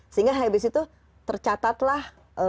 sehingga habis itu tercatatlah